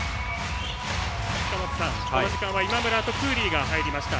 この時間は今村とクーリーが入りました。